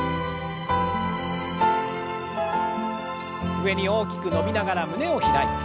上に大きく伸びながら胸を開いて。